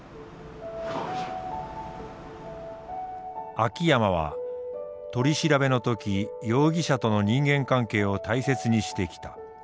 秋山は取り調べの時容疑者との人間関係を大切にしてきた。